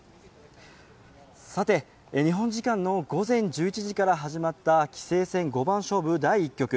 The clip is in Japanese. さて、日本時間の午前１１時から始まった棋聖戦五番勝負第１局。